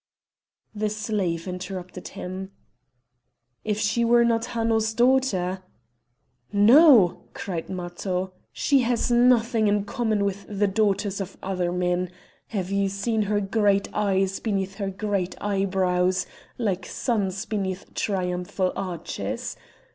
—" The slave interrupted him: "If she were not Hanno's daughter—" "No!" cried Matho. "She has nothing in common with the daughters of other men! Have you seen her great eyes beneath her great eyebrows, like suns beneath triumphal arches?